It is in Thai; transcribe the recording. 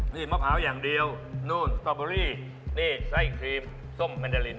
นี่มะพร้าวอย่างเดียวนู่นสตอเบอรี่นี่ไส้ครีมส้มแมนดาลิน